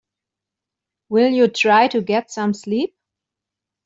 Will you try to get some sleep?